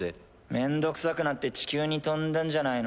めんどくさくなって地球に飛んだんじゃないの？